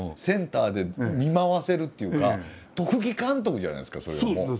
センターで見回せるっていうか特技監督じゃないですかそれはもう。